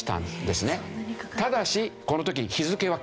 ただしこの時に。